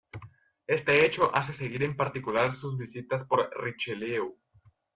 Este hecho hace seguir en particular sus visitas por Richelieu.